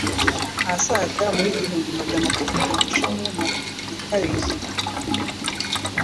ahasaga mu wi igihumbi magana atatu na cumi nakabiri